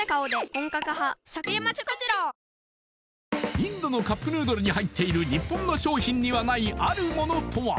インドのカップヌードルに入っている日本の商品にはないある物とは？